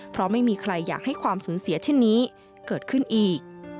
เพราะไม่มีใครอยากให้ความสูญเสียเช่นนี้เกิดขึ้นอีก